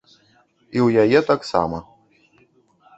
І ў яе таксама.